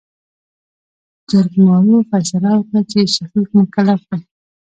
جرګمارو فيصله وکړه چې، شفيق مکلف دى.